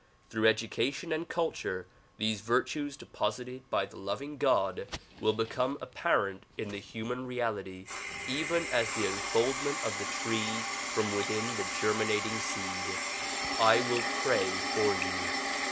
Through education and culture, these virtues deposited by the loving God will become apparent in the human reality even as the unfoldment of the tree from within the germinating seed. I will pray for you.